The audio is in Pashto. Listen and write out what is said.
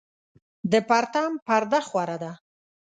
د پرتم پرده خوره ده